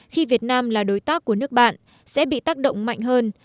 khi việt nam là đối tác của nước bạn sẽ bị tác động mạnh hơn